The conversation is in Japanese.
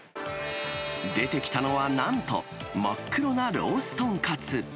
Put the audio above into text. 出てきたのは、なんと真っ黒なロース豚カツ。